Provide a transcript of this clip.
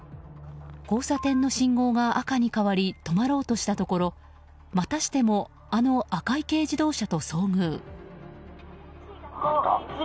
交差点の信号が赤に変わり止まろうとしたところまたしてもあの赤い軽自動車と遭遇。